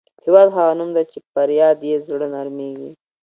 هېواد هغه نوم دی چې پر یاد یې زړه نرميږي.